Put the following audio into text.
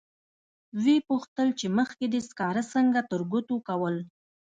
و یې پوښتل چې مخکې دې سکاره څنګه ترګوتو کول.